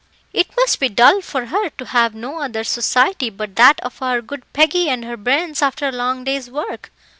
"It must be dull for her to have no other society but that of our good Peggy and her bairns after a long day's work.